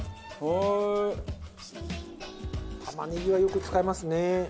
玉ねぎはよく使いますね。